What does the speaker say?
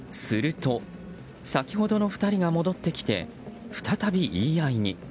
すると先ほどの２人が戻ってきて再び言い合いに。